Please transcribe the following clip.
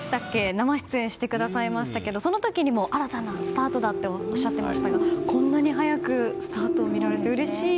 生出演してくださいましたがその時にも新たなスタートだとおっしゃっていましたがこんなに早くスタートを見られてうれしい。